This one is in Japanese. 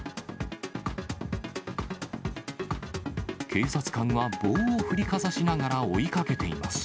警察官は棒を振りかざしながら追いかけています。